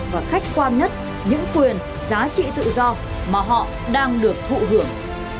và khách quan nhất những quyền giá trị tự do mà họ đang được thụ hưởng